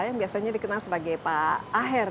yang biasanya dikenal sebagai pak aher